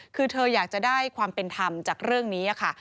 คือเธออยากจะได้ความเป็นธรรมจากเรื่องนี้ค่ะ